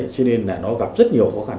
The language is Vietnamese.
cho nên là nó gặp rất nhiều khó khăn